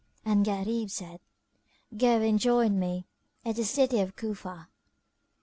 And Gharib said, "Go, and join me at the city of Cufa."